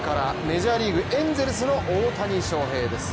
メジャーリーグ、エンゼルスの大谷翔平です。